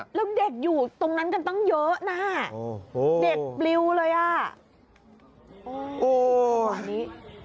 แล้วเด็กอยู่ตรงนั้นกันตั้งเยอะน่ะโอ้โหเด็กปลิวเลยอ่ะโอ้อันนี้